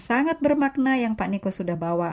sangat bermakna yang pak niko sudah bawa